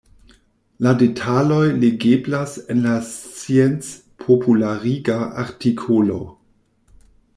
La detaloj legeblas en la sciencpopulariga artikolo.